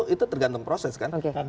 itu tergantung proses kan